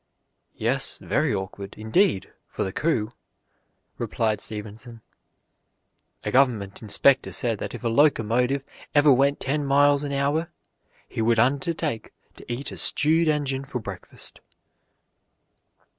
"Yes, very awkward, indeed, for the coo," replied Stephenson. A government inspector said that if a locomotive ever went ten miles an hour, he would undertake to eat a stewed engine for breakfast.